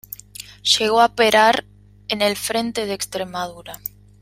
Llegó a operar en el frente de Extremadura.